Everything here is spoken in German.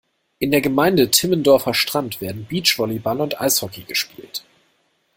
In der Gemeinde Timmendorfer Strand werden Beachvolleyball und Eishockey gespielt.